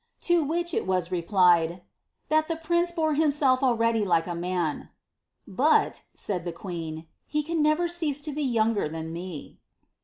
To which it was replied, " That the prince bore himself already likeaman.^' "But," •aid the queen, " he can never cease to be younger than roe."